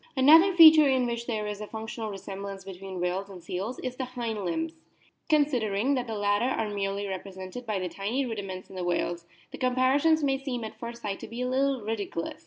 Another feature in which there is a functional re semblance between whales and seals is in the hind limbs. Considering that the latter are merely re presented by tiny rudiments in the whales, the comparison may seem at first sight to be a little ridiculous.